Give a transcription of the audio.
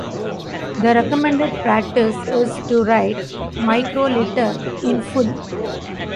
The recommended practice is to write "microlitre" in full.